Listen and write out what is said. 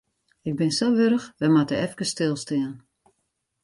Ik bin sa warch, wy moatte efkes stilstean.